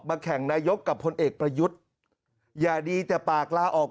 แข่งนายกกับพลเอกประยุทธ์อย่าดีแต่ปากลาออก